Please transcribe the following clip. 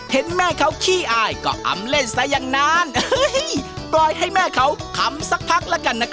เทปที่แม่เค้าขี้อายก็อามเล่นแล้วยังนาน